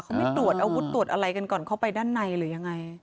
เขาไม่ตรวจอาวุธตรวจอะไรกันก่อนเข้าไปด้านในหรือยังไง